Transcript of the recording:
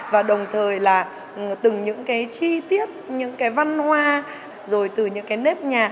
và đồng thời là từng những cái chi tiết những cái văn hoa rồi từ những cái nếp nhạc